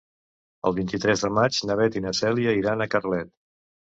El vint-i-tres de maig na Beth i na Cèlia iran a Carlet.